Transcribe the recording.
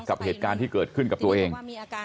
กับเหตุการณ์ที่เกิดขึ้นกับตัวเอง